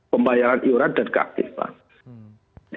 pembayaran uuran dan keaktifan